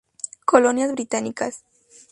Colonias británicas